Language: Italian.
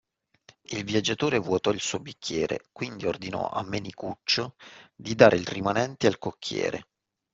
Il viaggiatore vuotò il suo bicchiere, quindi ordinò a Menicuccio di dare il rimanente al cocchiere